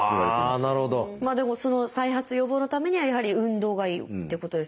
でもその再発予防のためにはやはり運動がいいってことですよね。